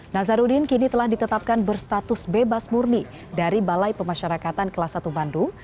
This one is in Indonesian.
nazarudin kini telah ditetapkan berstatus bebas murni dari balai pemasyarakatan kelas satu bandung